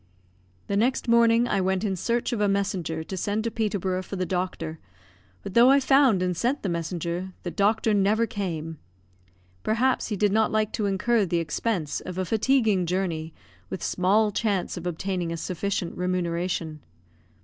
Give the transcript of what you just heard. The next morning I went in search of a messenger to send to Peterborough for the doctor; but though I found and sent the messenger, the doctor never came. Perhaps he did not like to incur the expense of a fatiguing journey with small chance of obtaining a sufficient remuneration.